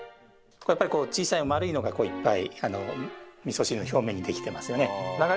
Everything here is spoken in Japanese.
やっぱりこう小さい丸いのがいっぱいみそ汁の表面に出来てますよね。